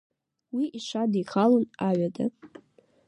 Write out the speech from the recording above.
Уи иҽадихалон аҩада.